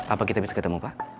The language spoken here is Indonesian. apa kita bisa ketemu pak